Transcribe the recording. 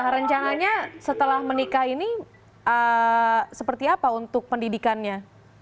rencananya setelah menikah ini seperti apa untuk pendidikannya